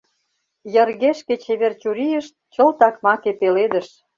Йыргешке чевер чурийышт — чылтак маке пеледыш.